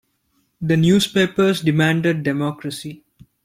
The newspapers demanded democracy.